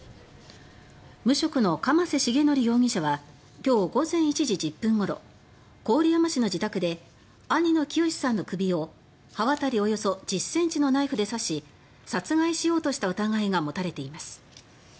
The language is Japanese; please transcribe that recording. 無職の鎌瀬重則容疑者は今日午前１時１０分ごろ郡山市の自宅で兄の喜好さんの首を刃渡りおよそ１０ｃｍのナイフで刺し殺害しようとした疑いが持たれています。